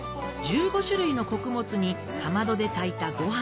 １５種類の穀物にかまどで炊いたご飯